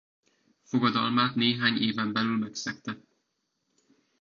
Fogadalmát néhány éven belül megszegte.